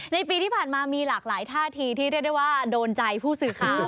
ในปีที่ผ่านมามีหลากหลายท่าทีที่เรียกได้ว่าโดนใจผู้สื่อข่าว